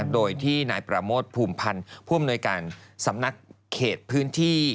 โดยที่นายประโมทภูมิพันธ์ผู้อำนวยการสำนักเขตพื้นที่